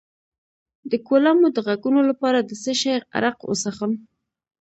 د کولمو د غږونو لپاره د څه شي عرق وڅښم؟